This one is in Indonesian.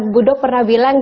budok pernah bilang